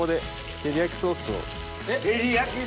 照り焼きソース！